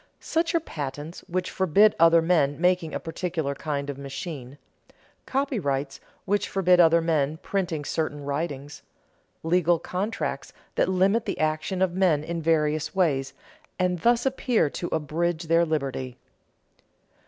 Such are patents which forbid other men making a particular kind of machine; copyrights which forbid other men printing certain writings; legal contracts that limit the action of men in various ways, and thus appear to abridge their liberty.